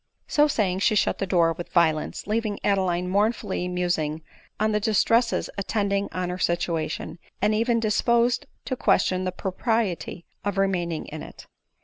So saying she shut the door with violence, leaving Ad eline mournfully musing on the* distresses attending on her situation, and even disposed to question the propriety of remaining in it.